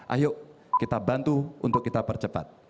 ayo kita bantu untuk kita percepat